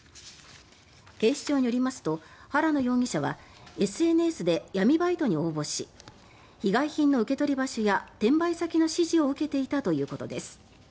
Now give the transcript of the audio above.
警視庁によりますと原野容疑者はＳＮＳで闇バイトに応募し被害品の受取場所や転売先の指示を受けていたということです。